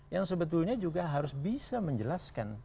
yang sebetulnya juga harus bisa menjelaskan